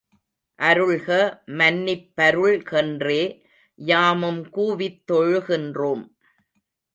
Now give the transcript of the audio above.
அருள்க மன்னிப்பருள் கென்றே யாமும் கூவித் தொழுகின்றோம்!